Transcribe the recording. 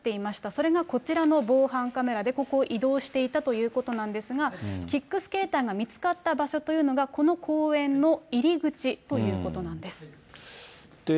それがこちらの防犯カメラで、ここを移動していたということなんですが、キックスケーターが見つかった場所というのが、この公園の入り口ということなんです。